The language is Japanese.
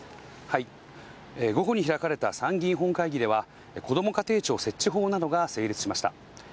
午後に開かれた参議院本会議では、こども家庭庁設置法などが成立しました。